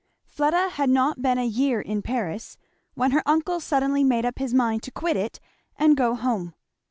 Fleda had not been a year in Paris when her uncle suddenly made up his mind to quit it and go home.